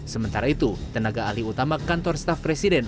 sementara itu tenaga alih utama kantor staf presiden